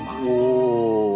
お。